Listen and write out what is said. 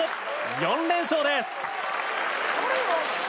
４連勝です。